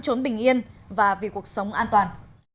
chốn bình yên và vì cuộc sống an toàn